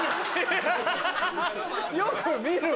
よく見る。